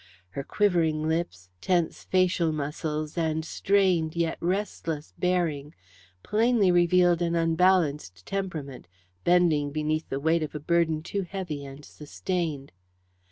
Her quivering lips, tense facial muscles, and strained yet restless bearing plainly revealed an unbalanced temperament, bending beneath the weight of a burden too heavy and sustained.